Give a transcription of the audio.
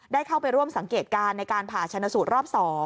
ได้เข้าไปร่วมสังเกตการณ์ในการผ่าชนสูตรรอบ๒